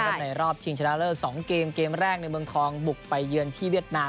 ในรอบชิงชนะเลิศ๒เกมเกมแรกในเมืองทองบุกไปเยือนที่เวียดนาม